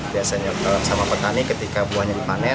biasanya sama petani ketika buahnya dipanen